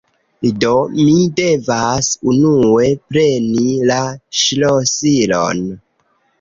do mi devas unue preni la ŝlosilon